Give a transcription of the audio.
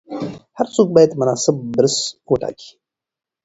هر څوک باید مناسب برس وټاکي.